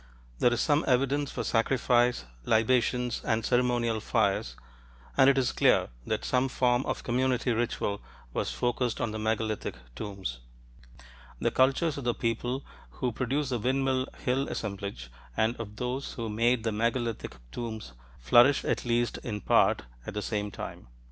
There is some evidence for sacrifice, libations, and ceremonial fires, and it is clear that some form of community ritual was focused on the megalithic tombs. The cultures of the people who produced the Windmill Hill assemblage and of those who made the megalithic tombs flourished, at least in part, at the same time.